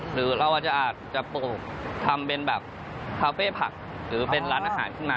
หรือเราอาจจะปลูกทำเป็นแบบคาเฟ่ผักหรือเป็นร้านอาหารขึ้นมา